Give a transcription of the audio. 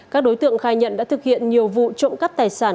các đối tượng khai nhận đã thực hiện nhiều vụ trộm cắp tài sản